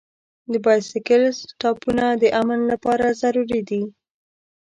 د بایسکل سټاپونه د امن لپاره ضروري دي.